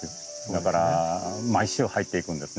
だから毎週入っていくんですね。